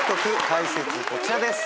解説こちらです。